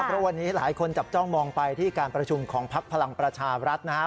เพราะวันนี้หลายคนจับจ้องมองไปที่การประชุมของพักพลังประชารัฐนะครับ